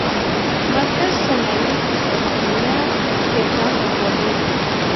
مرکز ثانوي یې قسطنطنیه، طهران او کابل وو.